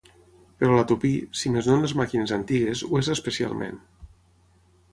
Però la tupí, si més no en les màquines antigues, ho és especialment.